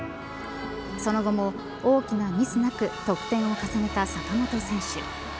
その後も大きなミスなく得点を重ねた坂本選手。